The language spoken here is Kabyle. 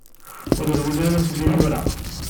Ur rewwel ara fell-i tura.